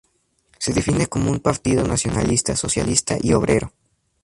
Se define como un partido nacionalista, socialista y obrero.